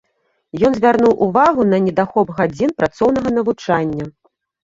Ён звярнуў увагу на недахоп гадзін працоўнага навучання.